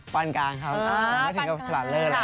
ก็ปานกลางครับ